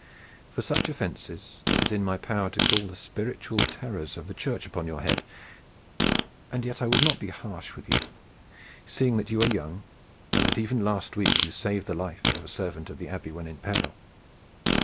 For such offenses it is in my power to call the spiritual terrors of the Church upon your head, and yet I would not be harsh with you, seeing that you are young, and that even last week you saved the life of a servant of the Abbey when in peril.